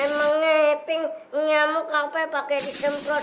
emangnya iping nyamuk apa pake disemprot